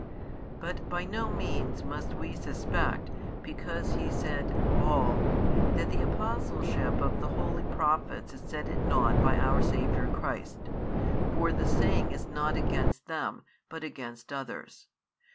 But by no means must we suspect, because He said: All, that the apostleship of the holy Prophets is set at naught by Our Saviour Christ; for the saying is not against them, but against others.